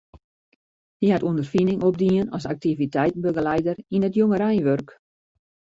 Hy hat ûnderfining opdien as aktiviteitebegelieder yn it jongereinwurk.